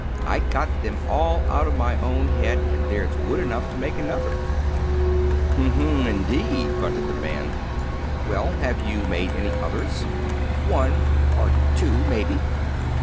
'I got them all out of my own head, and there's wood enough to make another.'" "Hm m; indeed!" grunted the man. "Well, have you made any others?" "One or two, maybe."